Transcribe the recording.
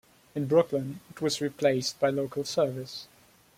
In Brooklyn, it was replaced by local service.